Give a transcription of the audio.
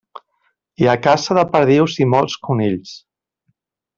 Hi ha caça de perdius i molts conills.